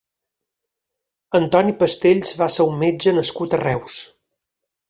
Antoni Pastells va ser un metge nascut a Reus.